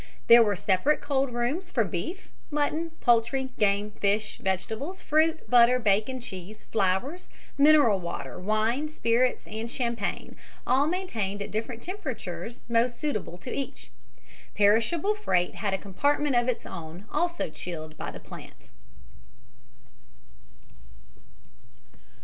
There were separate cold rooms for beef, mutton, poultry, game, fish, vegetables, fruit, butter, bacon, cheese, flowers, mineral water, wine, spirits and champagne, all maintained at different temperatures most suitable to each. Perishable freight had a compartment of its own, also chilled by the plant.